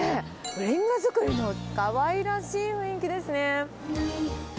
レンガ作りのかわいらしい雰囲気ですね。